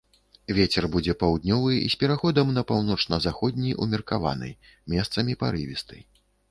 Вецер будзе паўднёвы з пераходам на паўночна-заходні ўмеркаваны, месцамі парывісты.